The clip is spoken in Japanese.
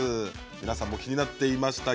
皆さんも気になっていました